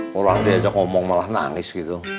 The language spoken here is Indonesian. pulang diajak ngomong malah nangis gitu